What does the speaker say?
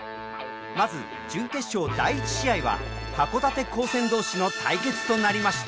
まず準決勝第１試合は函館高専同士の対決となりました。